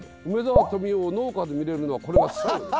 梅沢富美男を農家で見れるのはこれが最後。